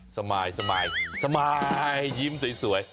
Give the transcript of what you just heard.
สบายยิ้มสวย